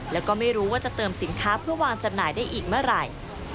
แล้วก็ไม่รู้ว่าจะเติมสินค้าเพื่อวางจำหน่ายได้อีกเมื่อไหร่